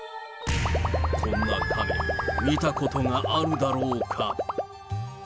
こんなカメ、見たことがあるだろうか。